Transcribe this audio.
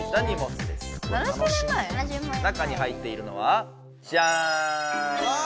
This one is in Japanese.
中に入っているのはジャン！